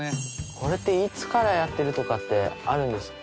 これっていつからやってるとかってあるんですか？